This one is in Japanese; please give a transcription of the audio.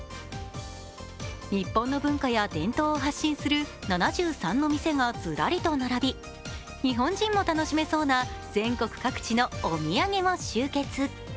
日本の文化や伝統を発信する７３の店がずらりと並び日本人も楽しめそうな全国各地のお土産も集結。